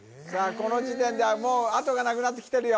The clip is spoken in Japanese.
この時点ではもうあとがなくなってきてるよ